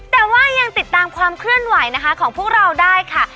แต่ว่ายังติดตามความเคลื่อนไหวนะคะของพวกเราได้ค่ะ